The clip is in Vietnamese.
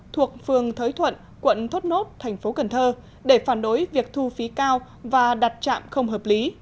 thuộc phường thới thuận quận thốt nốt thành phố cần thơ để phản đối việc thu phí cao và đặt trạm không hợp lý